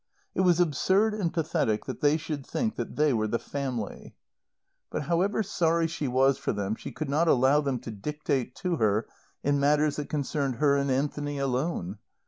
It was absurd and pathetic that they should think that they were the Family. But however sorry she was for them she could not allow them to dictate to her in matters that concerned her and Anthony alone.